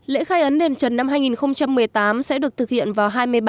lễ khai ấn đền trần năm hai nghìn một mươi tám sẽ được thực hiện vào hai năm